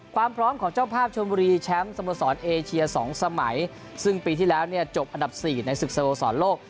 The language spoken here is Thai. ความพร้อมของเจ้าภาพชนบุรีแชมป์สโมสรเอเชีย๒สมัยซึ่งปีที่แล้วเนี่ยจบอันดับ๔ในศึกสโมสรโลก